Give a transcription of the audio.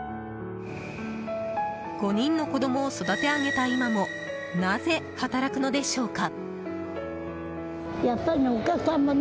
５人の子供を育てあげた今もなぜ働くのでしょうか？